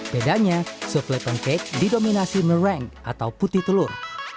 bedanya souffle pancake didominasi meringue atau putih telur